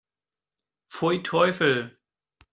Pfui, Teufel!